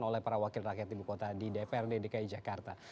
oleh para wakil rakyat ibu kota di dprd dki jakarta